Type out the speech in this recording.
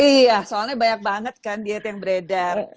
iya soalnya banyak banget kan diet yang beredar